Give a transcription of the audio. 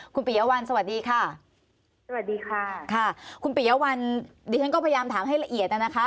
คุณปิยะวันสวัสดีค่ะสวัสดีค่ะค่ะคุณปิยะวันดิฉันก็พยายามถามให้ละเอียดนะคะ